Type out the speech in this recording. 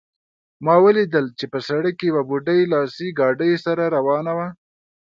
ما ولیدل چې په سړک کې یوه بوډۍ لاس ګاډۍ سره روانه وه